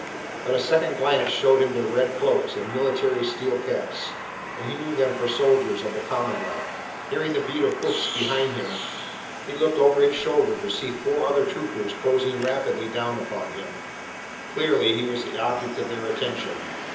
But a second glance showed him their red cloaks and military steel caps, and he knew them for soldiers of the Commonwealth. Hearing the beat of hoofs behind him, he looked over his shoulder to see four other troopers closing rapidly down upon him. Clearly he was the object of their attention.